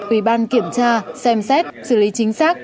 ủy ban kiểm tra xem xét xử lý chính xác